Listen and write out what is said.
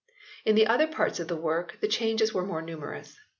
In the other parts of the work the changes were more numerous.